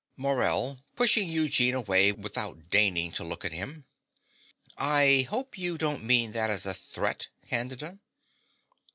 MORELL (pushing Eugene away without deigning to look at him). I hope you don't mean that as a threat, Candida.